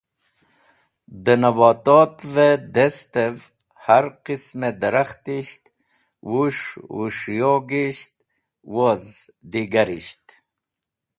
Dẽ nabotot’v-e destev har qism-e darakhtisht, wũs̃hwũs̃hochisht, woz digarisht.